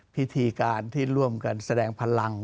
พิธีการที่ร่วมกันแสดงพลัง